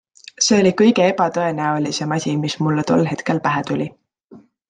See oli kõige ebatõenäolisem asi, mis mulle tol hetkel pähe tuli.